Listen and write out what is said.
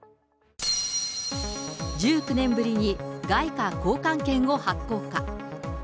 １９年ぶりに外貨交換券を発行か。